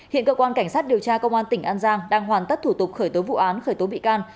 hiện cơ quan cảnh sát điều tra công an tỉnh an giang đang hoàn tất thủ tục khởi tố vụ án khởi tố bị can